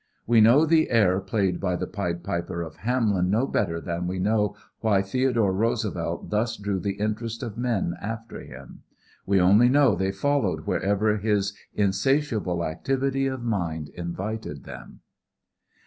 We know the air played by the Pied Piper of Hamlin no better than we know why Theodore Roosevelt thus drew the interest of men after him. We only know they followed wherever his insatiable activity of mind invited them.